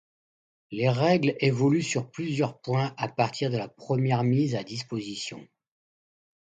Les règles évoluent sur plusieurs points à partir de la première mise à disposition.